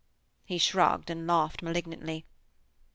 (He shrugged, and laughed malignantly.)